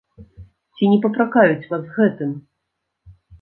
Ці не папракаюць вас гэтым?